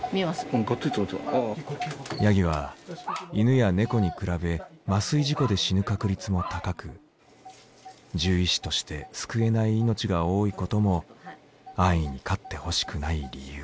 ヤギは犬や猫に比べ麻酔事故で死ぬ確率も高く獣医師として救えない命が多いことも安易に飼ってほしくない理由。